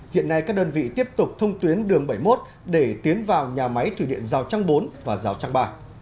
hiện nay các đơn vị tiếp tục thông tuyến đường bảy mươi một để tiến vào nhà máy thủy điện giao trang bốn và rào trang ba